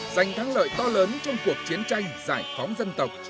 giành thắng lợi to lớn trong cuộc chiến tranh giải phóng dân tộc